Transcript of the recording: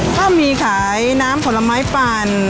ถ้ามีขายน้ำผลไม้ปั่น